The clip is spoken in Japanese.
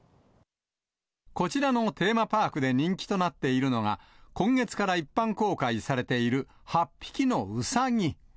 こちらのテーマパークで人気となっているのが、今月から一般公開されている８匹のウサギ。